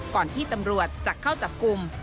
ก่อนที่ตำรวจจะเข้าจับกลุ่ม